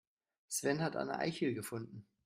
Sven hat eine Eichel gefunden.